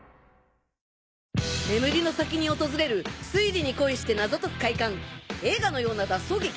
眠りの先に訪れる推理に恋して謎解く快感映画のような脱走劇？